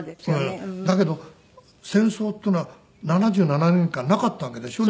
だけど戦争っていうのは７７年間なかったわけでしょ？